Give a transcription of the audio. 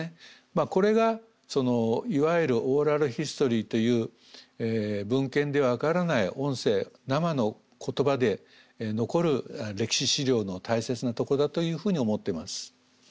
これがいわゆるオーラルヒストリーという文献では分からない音声生の言葉で残る歴史史料の大切なとこだというふうに思ってます。